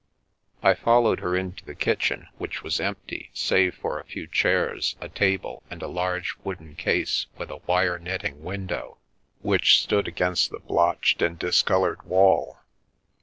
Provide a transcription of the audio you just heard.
I followed her into the kitchen, which was empty, save for a few chairs, a table, and a large wooden case with a wire netting window, which stood against the blotched and discoloured wall.